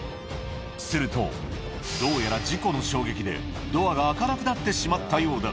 すると、どうやら事故の衝撃でドアが開かなくなってしまったようだ。